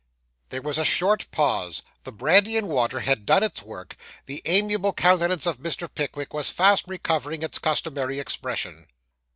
There was a short pause; the brandy and water had done its work; the amiable countenance of Mr. Pickwick was fast recovering its customary expression.